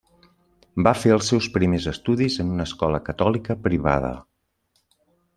Va fer els seus primers estudis en una escola catòlica privada.